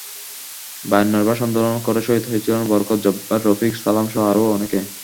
বায়ান্নর ভাষা আন্দোলন করে শহীদ হয়েছিলেন বরকত, জব্বার, রফিক, সালামসহ আরও অনেকে।